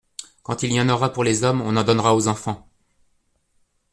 Quand il y en aura pour les hommes, on en donnera aux enfants.